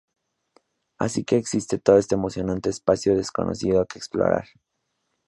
Así que existe todo este emocionante espacio desconocido que explorar.